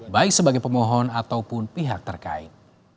baik sebagai pemohon ataupun pihak terkait